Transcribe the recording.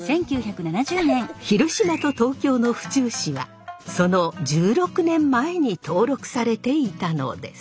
広島と東京の府中市はその１６年前に登録されていたのです。